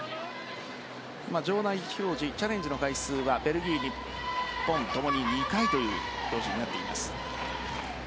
場内表示、チャレンジの回数はベルギー、日本共に２回という表示になっています。